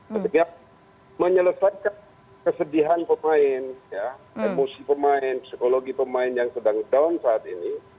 ketika menyelesaikan kesedihan pemain emosi pemain psikologi pemain yang sedang down saat ini